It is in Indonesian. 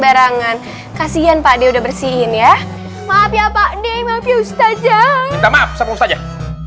berangan kasian pakde udah bersihin ya maaf ya pakde maaf ya ustazah minta maaf ustazah